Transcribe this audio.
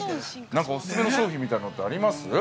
◆何かお勧めの商品みたいなのってあります。